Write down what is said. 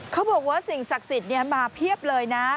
เขาบอกว่าสิ่งศักดิ์สิทธิ์มาเพียบเลยนะ